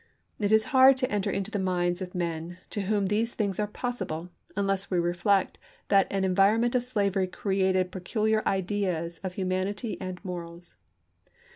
It is hard to enter into the minds of men to whom these things are possible, unless we reflect that an en vironment of slavery created peculiar ideas of humanity and morals.